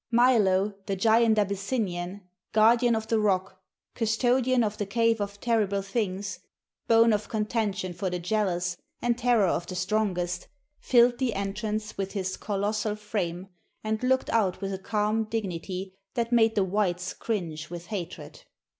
Milo, the giant Abyssinian, guardian of the rock, custodian of the Cave of Terrible Things, bone of contention for the jealous and terror of the strongest, filled the entrance with his colossal frame and looked out with a calm dignity that made the whites cringe with hatred.